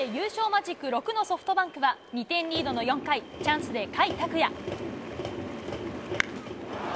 マジック６のソフトバンクは、２点リードの４回、チャンスで甲斐拓也。